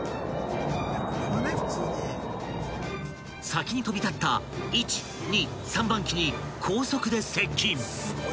［先に飛び立った１・２・３番機に高速で接近］